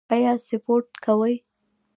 ایا سپورت کوئ؟